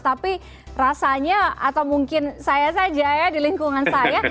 tapi rasanya atau mungkin saya saja ya di lingkungan saya